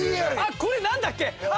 これ何だっけあ！